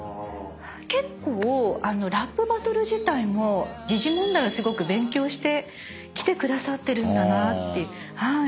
結構ラップバトル自体も時事問題をすごく勉強してきてくださってるんだなっていう。